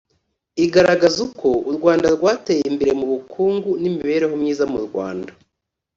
Igaragaza uko urwanda rwateye imbere mu bukungu n imibereho myiza mu rwanda